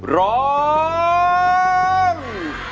ร้อง